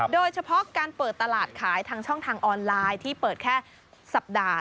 โดยเฉพาะการเปิดตลาดขายทางช่องทางออนไลน์ที่เปิดแค่สัปดาห์